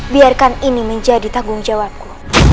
biarkan ini menjadi tanggung jawabku